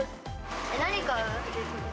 何買う？